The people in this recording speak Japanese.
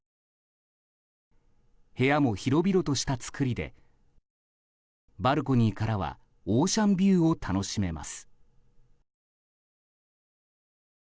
部屋も広々とした造りでバルコニーからはオーシャンビューを楽しめます。